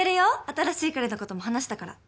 新しい彼のことも話したから。